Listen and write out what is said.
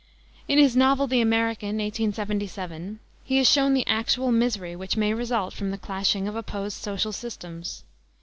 In his novel, the American, 1877, he has shown the actual misery which may result from the clashing of opposed social systems.